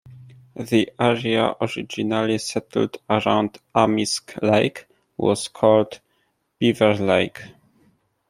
The area originally settled around Amisk Lake was called "Beaver Lake".